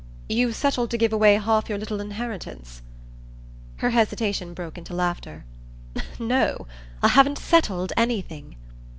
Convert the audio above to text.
"You've settled to give away half your little inheritance?" Her hesitation broke into laughter. "No I haven't 'settled' anything."